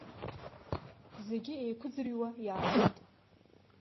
Зегьы еиқәыӡырҩуа иаатәеит.